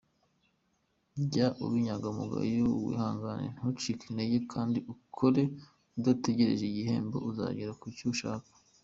Jya uba inyangamugayo, wihangane, ntucike intege kandi ukore udategereje igihembo , uzagera ku cyo ushaka.